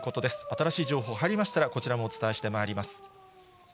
新しい情報入りましたら、こちらもお伝えしてまいります。